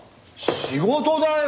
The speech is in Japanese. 仕事だよ！